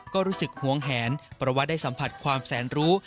ก็รู้สึกหวงแหนเพราะว่าได้สัมผัสความแสนรู้